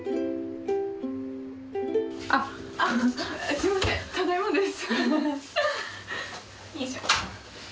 すいませんただいまです。